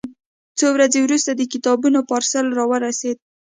څو ورځې وروسته د کتابونو پارسل راورسېد.